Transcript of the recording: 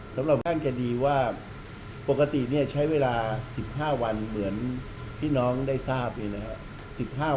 สำหรับท่านเจดีว่าปกติใช้เวลา๑๕วันเหมือนพี่น้องได้ทราบเลยนะครับ